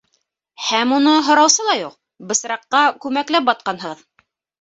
Һәм уны һораусы ла юҡ - бысраҡҡа күмәкләп батҡанһығыҙ.